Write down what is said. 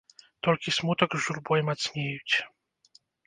Толькі смутак з журбой мацнеюць.